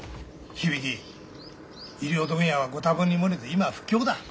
響衣料問屋はご多分に漏れず今は不況だ。